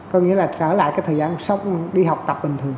có nghĩa là trở lại cái thời gian đi học tập bình thường